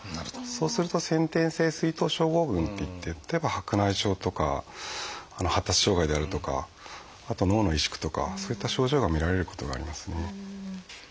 そうすると「先天性水痘症候群」といって例えば白内障とか発達障害であるとかあと脳の萎縮とかそういった症状が見られることがありますね。